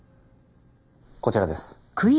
こちらです。